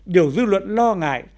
điều dư luận lo ngại